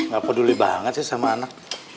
gak peduli banget sih sama anak